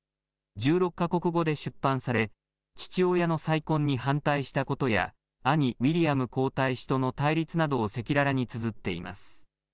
１６か国語で出版され、父親の再婚に反対したことや、兄、ウィリアム皇太子との対立などを赤裸々につづっています。